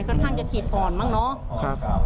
ค่อนข้างจะจิตอ่อนมั้งเนาะ